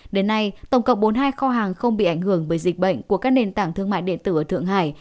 đến nay tổng cộng bốn mươi hai kho hàng không bị ảnh hưởng bởi dịch bệnh của các nền tảng thương mại điện tử ở thượng hải